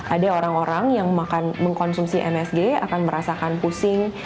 ada orang orang yang mengkonsumsi msg akan merasakan pusing